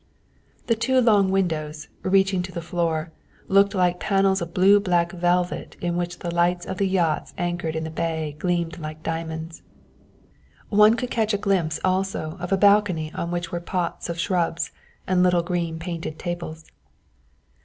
The two long windows, reaching to the floor, looked like panels of blue black velvet in which the lights of the yachts anchored in the bay gleamed like diamonds. One could catch a glimpse also of a balcony on which were pots of shrubs and little green painted tables.